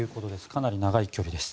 かなり長い距離です。